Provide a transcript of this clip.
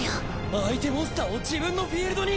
相手モンスターを自分のフィールドに！？